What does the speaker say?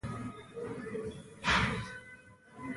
د رڼا سرعت د ټولو سرعتونو نه لوړ دی.